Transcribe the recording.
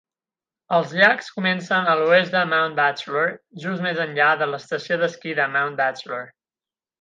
Els llacs comencen a l'oest de Mount Bachelor, just més enllà de l'estació d'esquí de Mount Bachelor.